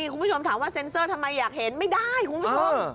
คุณผู้ชมถามว่าเซ็นเซอร์ทำไมอยากเห็นไม่ได้คุณผู้ชม